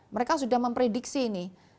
mereka sudah memprediksi ini